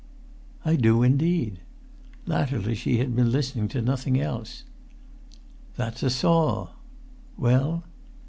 "I do indeed." [Pg 314]Latterly she had been listening to nothing else. "That's a saw!" "Well?"